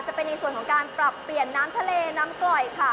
จะเป็นในส่วนของการปรับเปลี่ยนน้ำทะเลน้ำกร่อยค่ะ